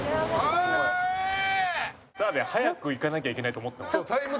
澤部は早く行かなきゃいけないと思ってます。